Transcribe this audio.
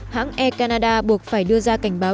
hãng air canada buộc phải đưa ra cảnh báo